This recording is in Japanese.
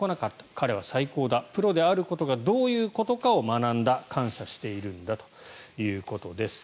彼は最高だプロであることがどういうことか学んだ感謝しているんだということです。